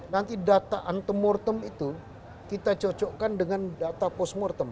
nanti data antemortem itu kita cocokkan dengan data postmortem